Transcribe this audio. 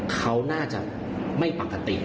เขาน่าจะไม่ปกติ